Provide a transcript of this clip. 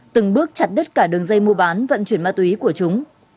từng bước chặt đứt cả đường dây mua bán vận chuyển ma túy của chúng